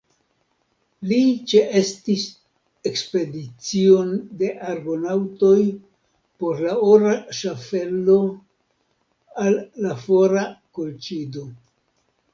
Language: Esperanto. Li ĉeestis ekspedicion de Argonaŭtoj por la ora ŝaffelo al la fora Kolĉido.